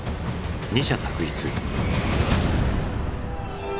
二者択一。